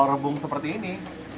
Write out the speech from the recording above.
kalau rebung seperti ini